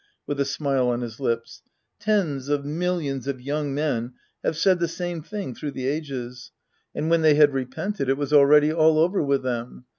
{With a smile on his lips.) Tens of millions of yoiuig men have said the same thing through the ages. And when they had repented, it was already all over with them.